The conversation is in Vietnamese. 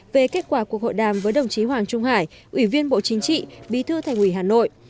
về kết quả cuộc hội đàm với đồng chí hoàng trung hải ủy viên bộ chính trị bí thư thành ủy hà nội